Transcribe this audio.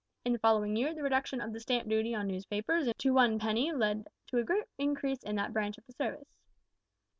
In the following year the reduction of the stamp duty on newspapers to one penny led to a great increase in that branch of the service.